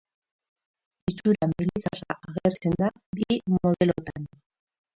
Itxura militarra agertzen da bi modelotan.